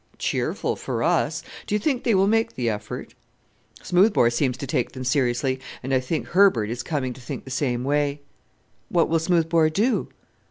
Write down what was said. "Cheerful for us! Do you think they will make the effort?" "Smoothbore seems to take them seriously, and I think Herbert is coming to think the same way." "What will Smoothbore do?"